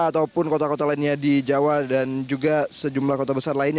ataupun kota kota lainnya di jawa dan juga sejumlah kota besar lainnya